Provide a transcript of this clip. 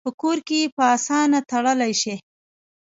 په کور کې یې په آسانه تړلی شي.